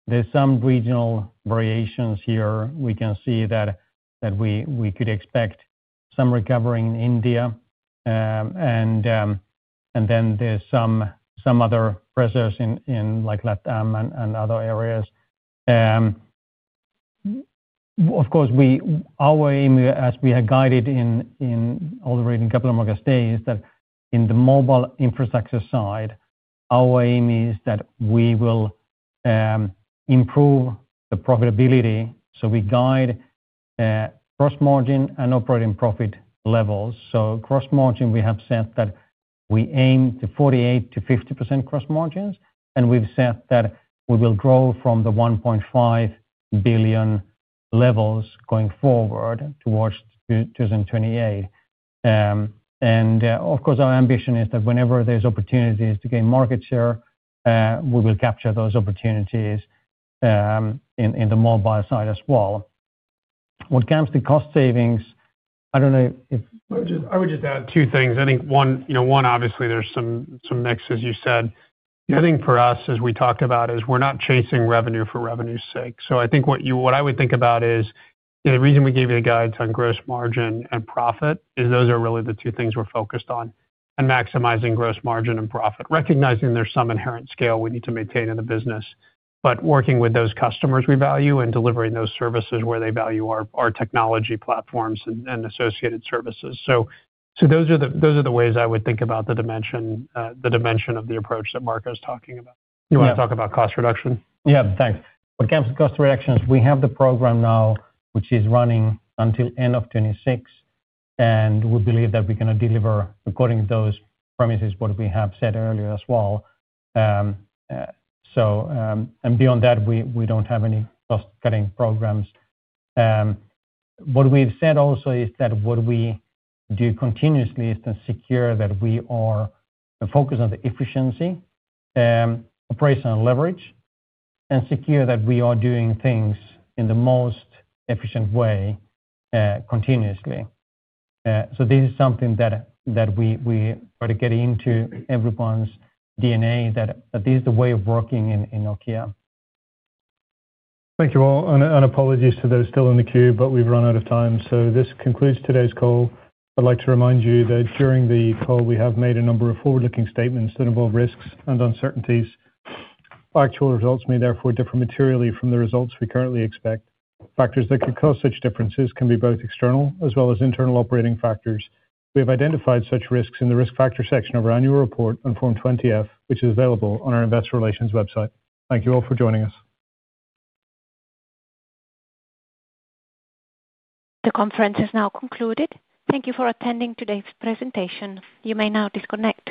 there's some regional variations here. We can see that, that we, we could expect some recovery in India. And, and then there's some, some other pressures in, in, like, LatAm and, and other areas. Of course, our aim, as we had guided in, in all the recent Capital Markets Days, that in the mobile infrastructure side, our aim is that we will, improve the profitability, so we guide, gross margin and operating profit levels. So gross margin, we have said that we aim to 48%-50% gross margins, and we've said that we will grow from the 1.5 billion levels going forward towards 2028. And, of course, our ambition is that whenever there's opportunities to gain market share, we will capture those opportunities, in the mobile side as well. When it comes to cost savings, I don't know if- I would just, I would just add two things. I think, one, you know, one, obviously there's some, some mix, as you said. The other thing for us, as we talked about, is we're not chasing revenue for revenue's sake. So I think what you, what I would think about is, the reason we gave you the guides on gross margin and profit, is those are really the two things we're focused on, on maximizing gross margin and profit. Recognizing there's some inherent scale we need to maintain in the business, but working with those customers we value and delivering those services where they value our, our technology platforms and, and associated services. So, so those are the, those are the ways I would think about the dimension, the dimension of the approach that Marco's talking about. Yeah. You wanna talk about cost reduction? Yeah, thanks. When it comes to cost reductions, we have the program now, which is running until end of 2026, and we believe that we're gonna deliver according to those promises, what we have said earlier as well. And beyond that, we don't have any cost-cutting programs. What we've said also is that what we do continuously is to secure that we are focused on the efficiency, operational leverage, and secure that we are doing things in the most efficient way, continuously. This is something that we are getting into everyone's DNA, that this is the way of working in Nokia. Thank you, all. And apologies to those still in the queue, but we've run out of time. This concludes today's call. I'd like to remind you that during the call, we have made a number of forward-looking statements that involve risks and uncertainties. Actual results may therefore differ materially from the results we currently expect. Factors that could cause such differences can be both external, as well as internal operating factors. We have identified such risks in the Risk Factors section of our annual report on Form 20-F, which is available on our investor relations website. Thank you all for joining us. The conference is now concluded. Thank you for attending today's presentation. You may now disconnect.